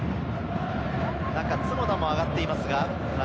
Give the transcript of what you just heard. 中は角田も上がっています。